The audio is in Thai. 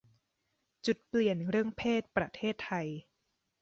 จุดเปลี่ยนเรื่องเพศประเทศไทย